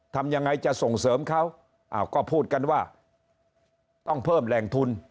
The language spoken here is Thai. ทำยังไงจะส่งเสริมเขาก็พูดกันว่าต้องเพิ่มแหล่งทุน